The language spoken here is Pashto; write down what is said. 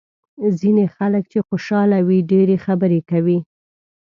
ځینې خلک چې خوشاله وي ډېرې خبرې کوي.